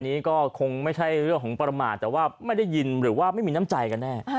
นี้ก็คงไม่ใช่เรื่องของประมาทแต่ว่าไม่ได้ยินหรือว่าไม่มีน้ำใจกันแน่